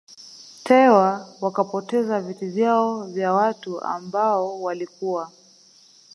Tewa wakapoteza viti vyao kwa watu ambao walikuwa